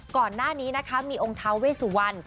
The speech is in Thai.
ก่อนหน้านี้นะคะมีองค์ท้าเวสุวรรณ